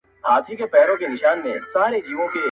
د کتاب لوستل انسان ته د نويو مفکورو دروازې -